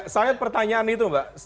saya pertanyaan itu mbak